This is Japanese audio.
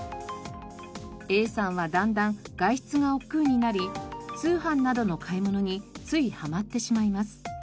Ａさんはだんだん外出が億劫になり通販などの買い物についはまってしまいます。